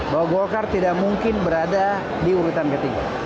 bahwa golkar tidak mungkin berada di urutan ketiga